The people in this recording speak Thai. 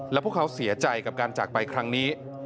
แล้วพวกเขาเสียใจกับการจากไปครั้งนี้